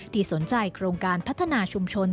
ที่สนใจโครงการพัฒนาชุมชน